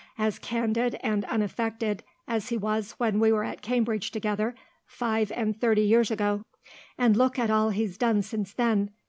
As candid and unaffected as he was when we were at Cambridge together, five and thirty years ago. And look at all he's done since then.